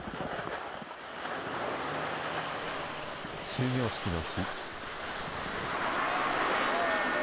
終業式の日。